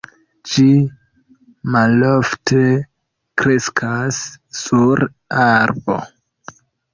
Ĝi malofte kreskas sur arbo.